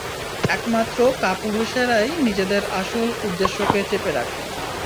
একমাত্র কাপুরুষেরাই নিজেদের আসল উদ্দেশ্যকে চেপে রাখে।